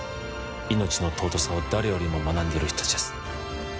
命の尊さを誰よりも学んでいる人達です